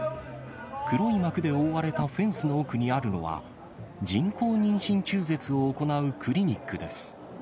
黒い幕で覆われたフェンスの奥にあるのは、人工妊娠中絶を行うクリニックです。